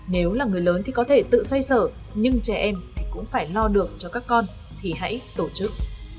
nếu là người lớn thì có thể tự xoay sở nhưng trẻ em cũng phải lo được cho các con thì hãy tổ chức